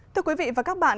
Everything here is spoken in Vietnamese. thưa quý vị và các bạn